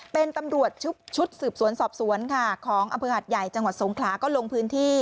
เป็นตำรวจชุดสืบสวนสอบสวนค่ะของอำเภอหัดใหญ่จังหวัดสงขลาก็ลงพื้นที่